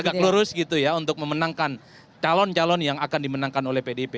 tegak lurus gitu ya untuk memenangkan calon calon yang akan dimenangkan oleh pdip